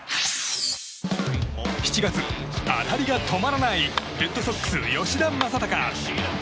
７月、当たりが止まらないレッドソックス、吉田正尚。